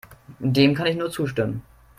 Dem kann ich nur zustimmen.